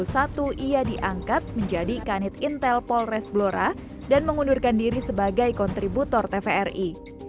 ia diangkat menjadi kanit intel polres blora dan mengundurkan diri sebagai kontributor tvri